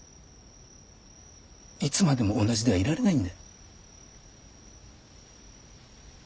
いつまでも同じではいられないんだ。